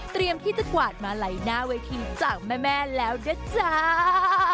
เตรียมที่จะกวาดมาไหลหน้าเวทีจากแม่แม่แล้วด้วยจ้า